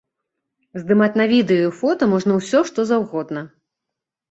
Здымаць на відэа і фота можна ўсё што заўгодна.